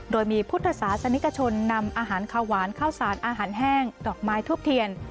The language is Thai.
โดยมีพุทธศาสนิกชนนำอาหารขาวหวานข้าวสารอาหารแห้งดอกไม้ทูบเทียน